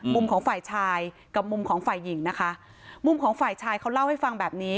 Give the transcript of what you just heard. มุมของฝ่ายชายกับมุมของฝ่ายหญิงนะคะมุมของฝ่ายชายเขาเล่าให้ฟังแบบนี้